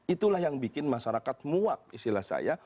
itulah yang bikin masyarakat muak istilah saya